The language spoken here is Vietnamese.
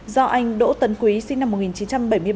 do anh đỗ tấn quý sinh năm một nghìn chín trăm bảy mươi ba